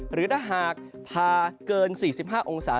หรือถ้าหากพาเกิน๔๕องศา